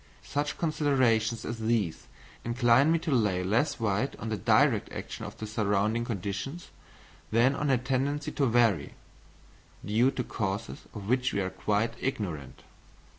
Such considerations as these incline me to lay less weight on the direct action of the surrounding conditions, than on a tendency to vary, due to causes of which we are quite ignorant.